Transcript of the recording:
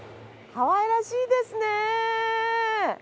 かわいらしいですね。